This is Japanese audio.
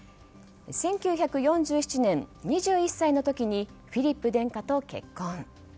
１９４７年、２１歳の時にフィリップ殿下と結婚。